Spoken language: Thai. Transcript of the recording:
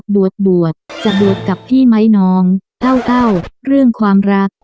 ดวดจะดวดกับพี่ไม้น้องเอ้าเรื่องความรัก